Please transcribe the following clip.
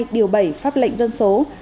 điều bảy pháp lệnh dân số